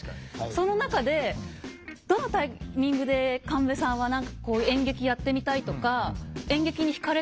その中でどのタイミングで神戸さんは演劇やってみたいとか何ですか